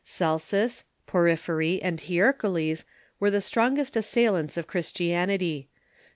Celsus, Porphyrj^, and Hierocles were the strongest assail ants of Christianity.